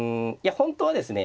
本当はですね